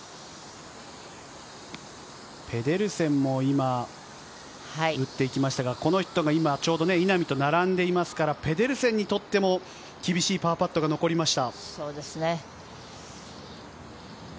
ペデルセンも今、打っていきましたが、この人がちょうど稲見と並んでいますから、ペデルセンにとっても厳しいパーパットが残りました。